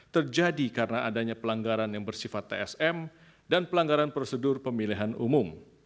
terjadi karena adanya pelanggaran yang bersifat tsm dan pelanggaran prosedur pemilihan umum